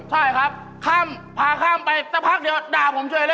ใช่ครับข้ามพาข้ามไปสักพักเดียวด่าผมเฉยเลย